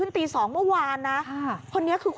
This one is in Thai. อุ้ยทีนี้มันน่ากลัวเหลือเกินค่ะ